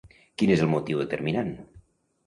Quin és el motiu determinant?